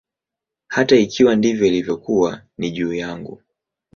Hata ikiwa ndivyo ilivyokuwa, ni juu yangu.